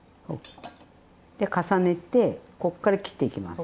で重ねてこっから切っていきます。